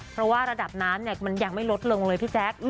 เพราะว่าระดับน้ำมันยังไม่ลดลงเลยพี่แจ๊ค